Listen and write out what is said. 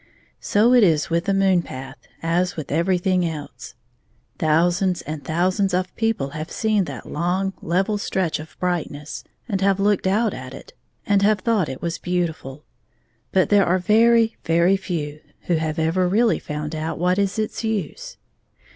So it is with the moon path as with everything else. Thousands and thousands of people have seen that long, level stretch of brightness^ and have looked oui at itj and have thought it was beautiful, but there are very, very few who have ever really found out what is its use.